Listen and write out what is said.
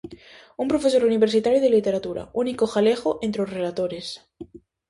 Un profesor universitario de literatura, único galego entre os relatores.